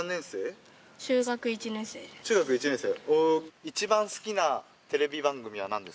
中学１年生。